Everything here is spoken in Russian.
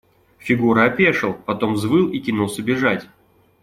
Фигура опешил, потом взвыл и кинулся бежать.